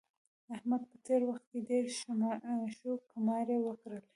احمد په تېر وخت کې ډېرې شوکماری وکړلې.